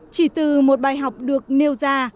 chỉ từ một bài học được nêu ra